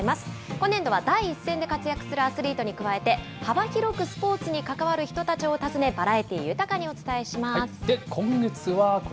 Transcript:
今年度は第一線で活躍するアスリートに加えて、幅広くスポーツに関わる人たちを訪ね、バラエティー豊かにお伝えします。